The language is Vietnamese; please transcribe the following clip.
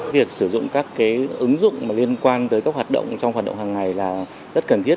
việc sử dụng các ứng dụng liên quan tới các hoạt động trong hoạt động hàng ngày là rất cần thiết